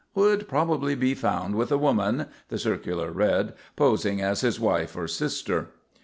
"Would probably be found with a woman," the circular read, "posing as his wife or sister."